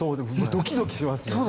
ドキドキしてます。